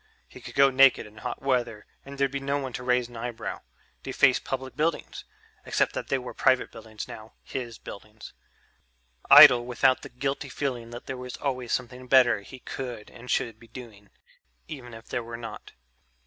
He could go naked in hot weather and there'd be no one to raise an eyebrow, deface public buildings (except that they were private buildings now, his buildings), idle without the guilty feeling that there was always something better he could and should be doing ... even if there were not.